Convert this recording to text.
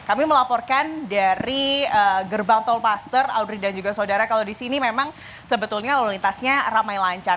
kami melaporkan dari gerbang tolpaster audrey dan juga saudara kalau di sini memang sebetulnya lalu lintasnya ramai lancar